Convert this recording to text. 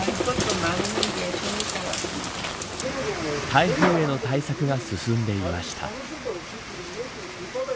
台風への対策が進んでいました。